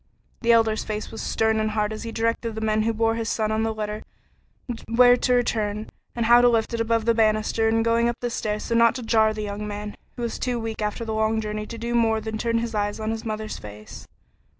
The Elder's face was stern and hard as he directed the men who bore his boy on the litter where to turn, and how to lift it above the banister in going up the stair so as not to jar the young man, who was too weak after the long journey to do more than turn his eyes on his mother's face.